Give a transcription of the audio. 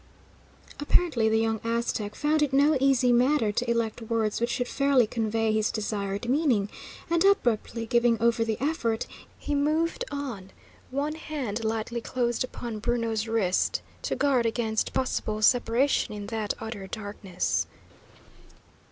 Apparently the young Aztec found it no easy matter to elect words which should fairly convey his desired meaning, and, abruptly giving over the effort, he moved on, one hand lightly closed upon Bruno's wrist to guard against possible separation in that utter darkness.